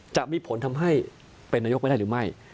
จะมีผลทำให้เป็นนายกไม่ได้หรือไม่